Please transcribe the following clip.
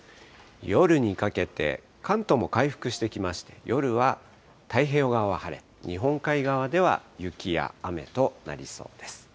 夜にかけて、関東も回復してきまして、夜は太平洋側は晴れ、日本海側では雪や雨となりそうです。